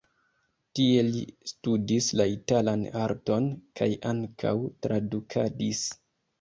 Tie li studis la italan arton kaj ankaŭ tradukadis.